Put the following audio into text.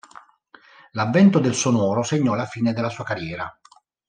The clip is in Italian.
L'avvento del sonoro segnò la fine della sua carriera.